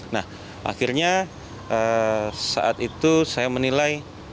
nah akhirnya saat itu saya menilai